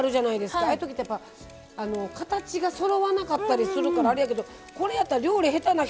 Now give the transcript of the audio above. ああいうときって形がそろわなかったりするからあれやけどこれやったら料理下手な人